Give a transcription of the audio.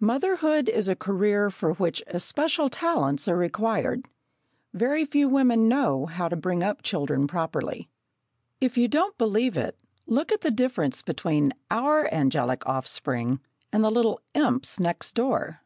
Motherhood is a career for which especial talents are required. Very few women know how to bring up children properly. If you don't believe it, look at the difference between our angelic offspring, and the little imps next door!